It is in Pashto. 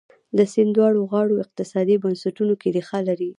د سیند دواړو غاړو اقتصادي بنسټونو کې ریښه لري.